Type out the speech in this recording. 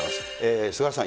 菅原さん